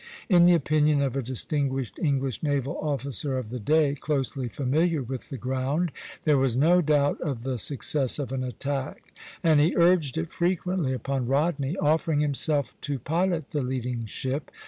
In the opinion of a distinguished English naval officer of the day, closely familiar with the ground, there was no doubt of the success of an attack; and he urged it frequently upon Rodney, offering himself to pilot the leading ship.